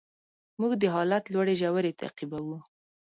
موږ د حالت لوړې ژورې تعقیبوو.